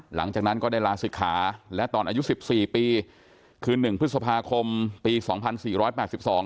หลังจากนั้นก็ได้ลาศิกขาและตอนอายุสิบสี่ปีคือหนึ่งพฤษภาคมปีสองพันสี่ร้อยแปดสิบสอง